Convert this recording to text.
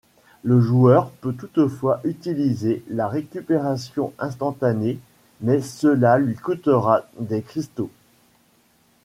Le joueur peut toutefois utiliser la récupération instantanée mais cela lui coûtera des cristaux.